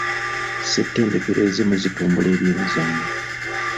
SSettendekero ezimu zitumbula ebyemizanyo.